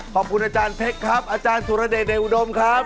ขอบคุณอาจารย์เพชรครับอาจารย์สุรเดชในอุดมครับ